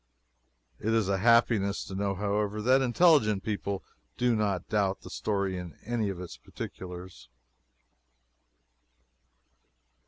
It is a happiness to know, however, that intelligent people do not doubt the story in any of its particulars.